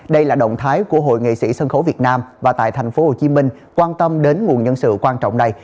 đây là động thái của hội nghệ sĩ sân khấu việt nam và tại tp hcm quan tâm đến nguồn nhân sự quan trọng này